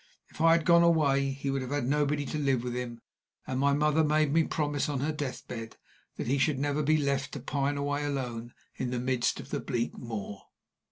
If I had gone away, he would have had nobody to live with him; and my mother made me promise on her death bed that he should never be left to pine away alone in the midst of the bleak moor.